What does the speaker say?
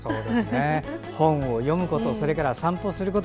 本を読むことそれから散歩すること。